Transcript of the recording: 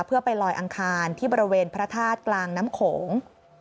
เพื่อไปลอยอังคารที่บริเวณพระธาตุกลางน้ำโขง